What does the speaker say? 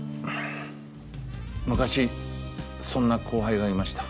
昔そんな後輩がいました。